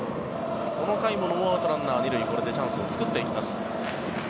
この回もノーアウトランナー２塁これでチャンスを作っていきます。